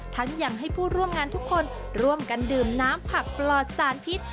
ทั้งยังให้ผู้ร่วมงานทุกคนร่วมกันดื่มน้ำผักปลอดสารพิษ